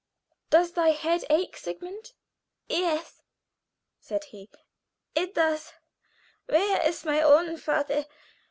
Does thy head ache, Sigmund?" "Yes," said he, "it does. Where is my own father?